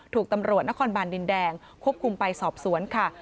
ถูกตำรวจนครบานดินแดงควบคุมไปสอบสวนค่ะ